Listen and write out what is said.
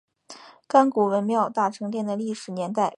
甘谷文庙大成殿的历史年代为明代。